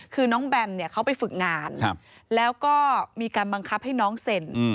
คือน้องแบมเนี่ยเขาไปฝึกงานแล้วก็มีการบังคับให้น้องเซ็น